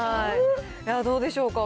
どうでしょうか。